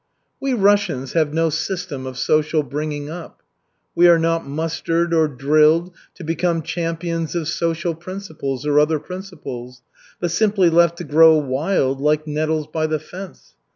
We Russians have no system of social bringing up. We are not mustered or drilled to become champions of "social principles" or other principles, but simply left to grow wild, like nettles by the fence.